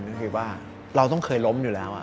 ก็คือว่าเราต้องเคยล้มอยู่แล้ว